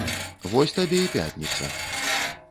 Вось табе і пятніца!